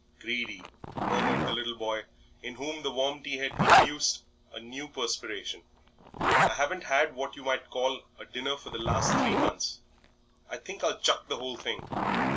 "Greedy!" murmured the little boy, in whom the warm tea had induced a new perspiration; "I haven't had what you might call a dinner for the last three months. I think I'll chuck the whole thing."